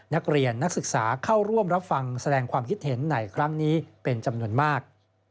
นักศึกษาเข้าร่วมรับฟังแสดงความคิดเห็นในครั้งนี้เป็นจำนวนมาก